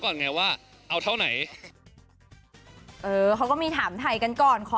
แบบว่าตัวที่ใจของเขา